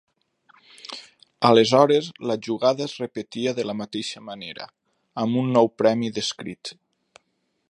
Aleshores la jugada es repetia de la mateixa manera, amb un nou premi descrit.